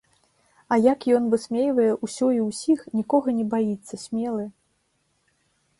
А як ён высмейвае ўсё і ўсіх, нікога не баіцца, смелы!